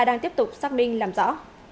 đang tiếp tục xác minh làm rõ